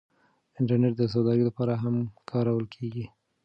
انټرنیټ د سوداګرۍ لپاره هم کارول کیږي.